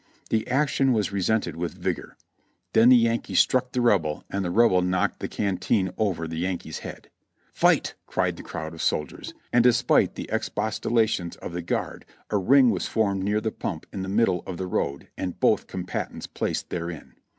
The action was resented with vigor; then the Yankee struck the Rebel and the Rebel knocked the canteen over the Yankee's head. "Fight!" cried the crowd of soldiers, and despite the expostula tions of the guard a ring was formed near the pump in the middle of the road, and both combatants placed therein.